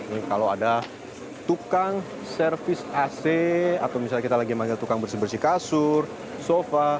ini kalau ada tukang servis ac atau misalnya kita lagi manggil tukang bersih bersih kasur sofa